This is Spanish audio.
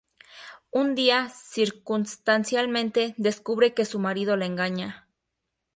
Un día, circunstancialmente, descubre que su marido la engaña.